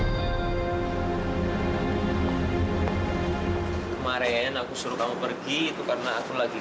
kemarin aku suruh kamu pergi itu karena aku lagi